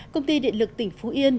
công ty điện lực tỉnh phú yên